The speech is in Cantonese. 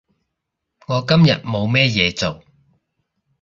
我今日冇咩嘢做